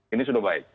ini sudah baik